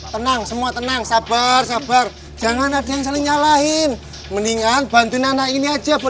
tenang semua tenang sabar sabar jangan ada yang saling nyalahin mendingan bantuin anak ini aja buat